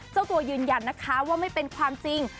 เจ้าตัวยืนยันนะคะว่าไม่เป็นความจริง